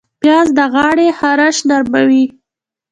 پیاز د غاړې خراش نرموي